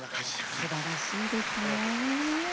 すばらしいですねえ。